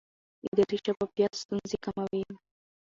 اداري شفافیت ستونزې کموي